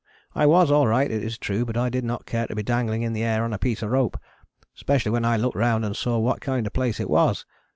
I was all right it is true, but I did not care to be dangling in the air on a piece of rope, especially when I looked round and saw what kind of a place it was.